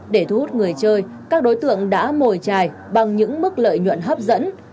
để thu hút người chơi các đối tượng đã mồi trài bằng những mức lợi nhuận hấp dẫn